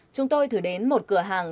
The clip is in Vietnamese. chúng tôi thử đến một cửa hàng